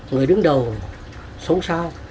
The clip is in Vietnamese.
người đứng đầu sống sao